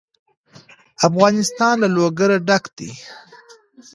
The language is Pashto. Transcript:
افغانستان له لوگر ډک دی.